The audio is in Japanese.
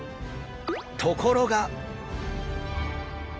ところが！